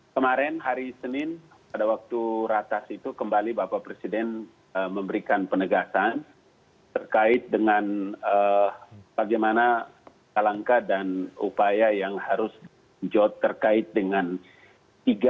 kemarin hari senin pada waktu ratas itu kembali bapak presiden memberikan penegasan terkait dengan bagaimana langkah dan upaya yang harus jot terkait dengan tiga